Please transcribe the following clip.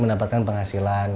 mendapatkan penghasilan gitu